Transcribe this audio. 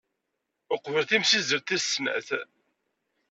Uqbel timsizzelt tis snat.